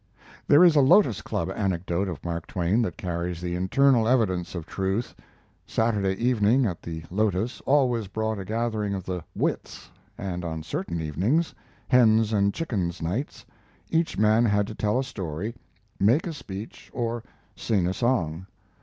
There is a Lotos Club anecdote of Mark Twain that carries the internal evidence of truth. Saturday evening at the Lotos always brought a gathering of the "wits," and on certain evenings "Hens and chickens" nights each man had to tell a story, make a speech, or sing a song.